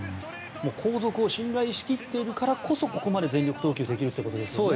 後続を信頼しきっているからこそここまで全力投球できるということですよね。